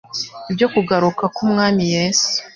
ibyo kugaruka k umwami yesu